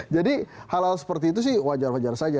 jadi halal seperti itu sih wajar wajar saja